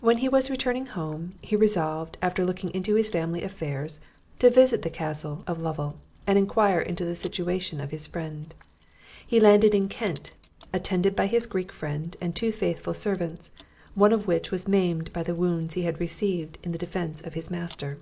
When he was returning home, he resolved, after looking into his family affairs, to visit the Castle of Lovel, and enquire into the situation of his friend. He landed in Kent, attended by his Greek friend and two faithful servants, one of which was maimed by the wounds he had received in the defence of his master.